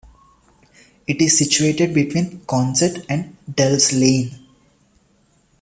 It is situated between Consett and Delves Lane.